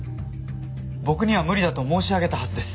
僕には無理だと申し上げたはずです。